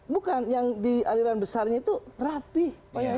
bukan yang di aliran besarnya itu rapih